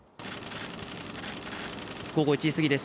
午後１時すぎです。